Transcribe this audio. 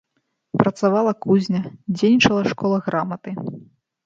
Працавала кузня, дзейнічала школа граматы.